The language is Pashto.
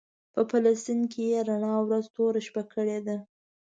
په فلسطین یې رڼا ورځ توره شپه کړې ده.